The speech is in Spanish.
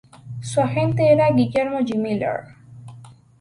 Su agente era Guillermo G. Miller.